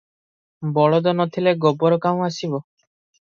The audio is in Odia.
ବଳଦ ନ ଥିଲେ ଗୋବର କାହୁଁ ଆସିବ?